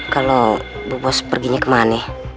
kalo bu bos perginya ke mana